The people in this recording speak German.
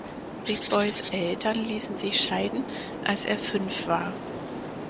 Big Bois Eltern ließen sich scheiden als er fünf war.